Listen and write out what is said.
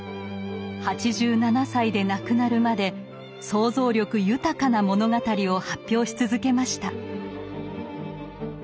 ８７歳で亡くなるまで想像力豊かな物語を発表し続けました。